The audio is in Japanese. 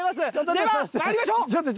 ではまいりましょう！